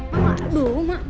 mama aduh mak